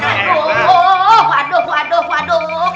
aduh aduh aduh aduh